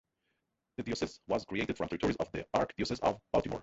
The diocese was created from territories of the Archdiocese of Baltimore.